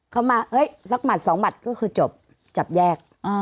เขามาสักหมัดสองหมัดก็คือจบจับแยก